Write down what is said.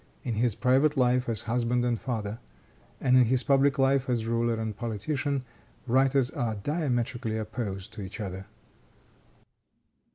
In his private life as husband and father, and in his public life as ruler and politician, writers are diametrically opposed to each other.